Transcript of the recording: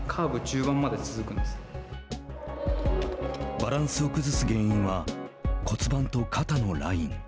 バランスを崩す原因は骨盤と肩のライン。